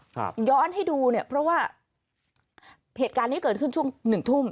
ครับย้อนให้ดูเนี่ยเพราะว่าเหตุการณ์นี้เกิดขึ้นช่วงหนึ่งทุ่ม